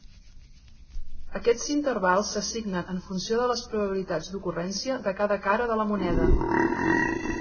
Aquests intervals s'assignen en funció de les probabilitats d'ocurrència de cada cara de la moneda.